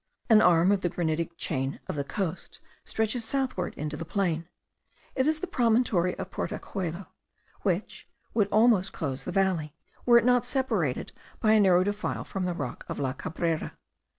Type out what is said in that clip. An arm of the granitic chain of the coast stretches southward into the plain. It is the promontory of Portachuelo which would almost close the valley, were it not separated by a narrow defile from the rock of La Cabrera.